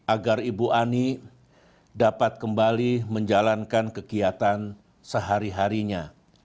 agar ibu ani dapat kembali menjalankan kegiatan sehari harinya